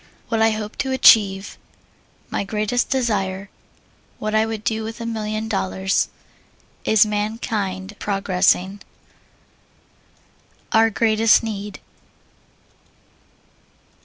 What I Hope to Achieve. My Greatest Desire. What I Would Do with a Million Dollars. Is Mankind Progressing? Our Greatest Need.